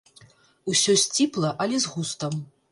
Усё сціпла, але з густам.